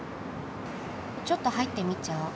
ちょっと入ってみちゃおう。